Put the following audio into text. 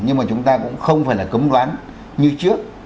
nhưng mà chúng ta cũng không phải là cấm đoán như trước